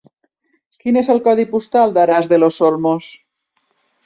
Quin és el codi postal d'Aras de los Olmos?